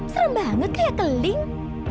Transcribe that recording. serem banget kaya keling